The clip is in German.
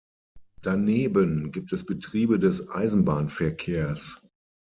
Daneben gibt es Betriebe des Eisenbahnverkehrs.